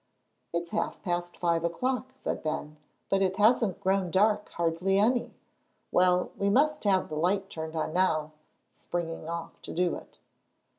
"It's half past five o'clock," said Ben, "but it hasn't grown dark hardly any. Well, we must have the light turned on now," springing off to do it.